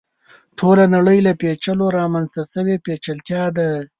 ټوله نړۍ له پېچلو رامنځته شوې پېچلتیا ده.